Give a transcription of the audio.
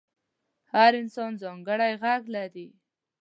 هر انسان ځانګړی غږ لري.